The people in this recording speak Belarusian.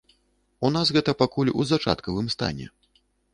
У нас гэта пакуль у зачаткавым стане.